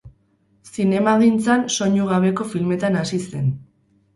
Zinemagintzan soinu gabeko filmetan hasi zen.